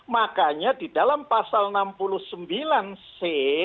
makanya di dalam pasal enam puluh sembilan c